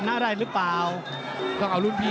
มันต้องอย่างงี้มันต้องอย่างงี้